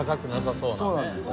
そうなんですよ。